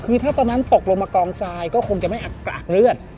คือถ้าตอนนั้นตกลงมากองทรายก็คงจะไม่อักกรากเลือด